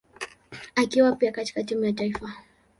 akiwa pia katika timu ya taifa.